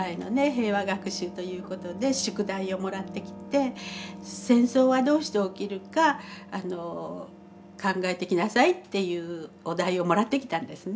平和学習ということで宿題をもらってきて戦争はどうして起きるか考えてきなさいっていうお題をもらってきたんですね。